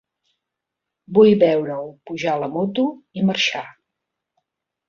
Vull veure'l pujar a la moto i marxar.